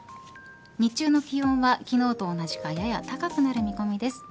日中の気温は昨日と同じかやや高くなる見込みです。